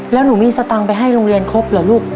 แล้วหนูมีสตังค์ไปให้โรงเรียนครบเหรอลูก